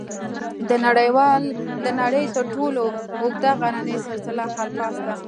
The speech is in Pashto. د نړۍ تر ټولو اوږده غرني سلسله الپس ده.